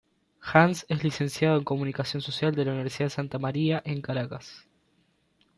Hans es licenciado en comunicación social de la Universidad Santa María en Caracas.